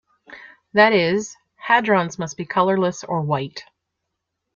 That is, hadrons must be "colorless" or "white".